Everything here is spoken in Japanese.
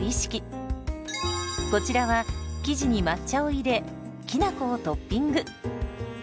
こちらは生地に抹茶を入れきなこをトッピング。